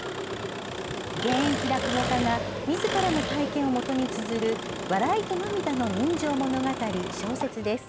現役落語家がみずからの体験をもとにつづる笑いと涙の人情物語小説です。